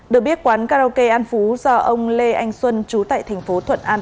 được biết quán karaoke an phú do ông lê anh xuân trú tại thành phố thuận an